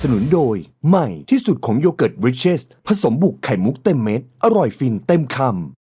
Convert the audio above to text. นุนโดยใหม่ที่สุดของโยเกิร์ตบริเชสผสมบุกไข่มุกเต็มเม็ดอร่อยฟินเต็มคำ